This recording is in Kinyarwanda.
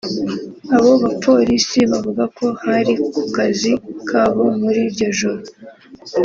Abo bapolisi bavuga ko bari ku kazi kabo muri iryo joro